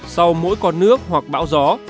sau mỗi con nước hoặc bão gió